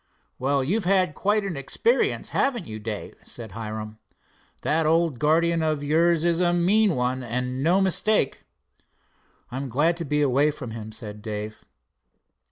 "Well, you've had quite an experience, haven't you, Dave?" said Hiram. "That old guardian of yours is a mean one, and no mistake." "I'm glad to be away from him," said Dave.